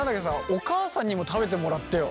お母さんにも食べてもらってよ。